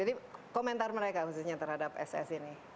jadi komentar mereka khususnya terhadap ss ini